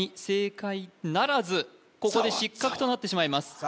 正解ならずここで失格となってしまいます